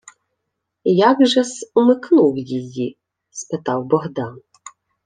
— Як же-с умикнув її? — спитав Богдан.